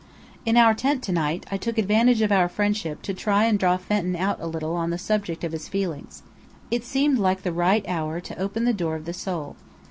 In our tent to night, I took advantage of our friendship to try and draw Fenton out a little on the subject of his feelings. It seemed the right hour to open the door of the soul.